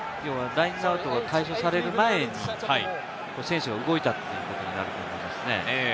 ラインアウトを解消される前に、選手が動いたということになったと思いますね。